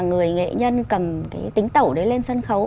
người nghệ nhân cầm cái tính tẩu đấy lên sân khấu